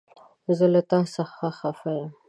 زه له تا سخته خفه يم!